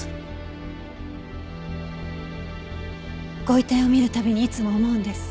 ご遺体を見る度にいつも思うんです。